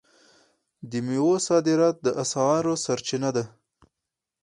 د میوو صادرات د اسعارو سرچینه ده.